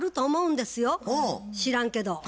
知らんけど。